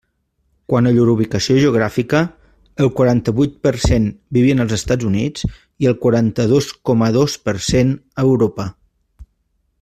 Quant a llur ubicació geogràfica, el quaranta-vuit per cent vivien als Estats Units i el quaranta-dos coma dos per cent a Europa.